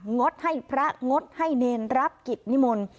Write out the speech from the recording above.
งดให้พระงดให้เนรรับกิจนิมนต์